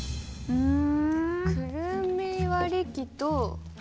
うん。